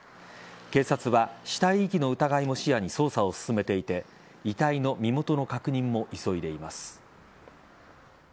警察は死体遺棄の疑いも視野に捜査を進めていて遺体の身元の確認を急いでいます。